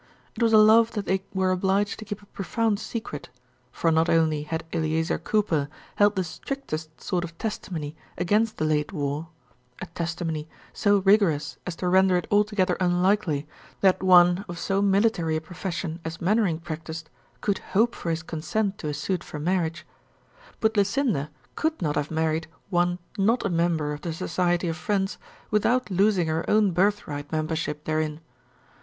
It was a love that they were obliged to keep a profound secret, for not only had Eleazer Cooper held the strictest sort of testimony against the late war a testimony so rigorous as to render it altogether unlikely that one of so military a profession as Mainwaring practiced could hope for his consent to a suit for marriage, but Lucinda could not have married one not a member of the Society of Friends without losing her own birthright membership therein.